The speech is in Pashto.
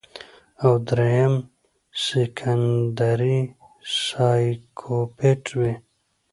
او دريم سيکنډري سايکوپېت وي